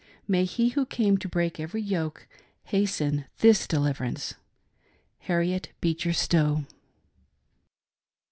May He who came to break every yoke hasten this deliver ance. HARRIET BEECHER STOWE.